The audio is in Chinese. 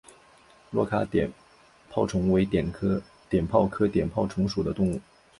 珞珈碘泡虫为碘泡科碘泡虫属的动物。